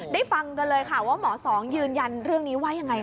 ฟังกันเลยค่ะว่าหมอสองยืนยันเรื่องนี้ว่ายังไง